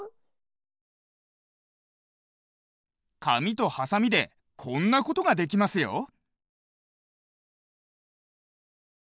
かみとはさみでこんなことができますよ。